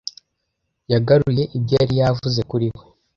Yagaruye ibyo yari yavuze kuri we.